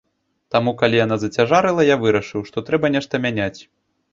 Таму калі яна зацяжарала, я вырашыў, што трэба нешта мяняць.